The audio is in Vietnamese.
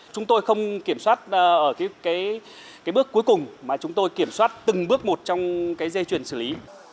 chúng tôi không kiểm soát ở bước cuối cùng mà chúng tôi kiểm soát từng bước một trong cái dây chuyền xử lý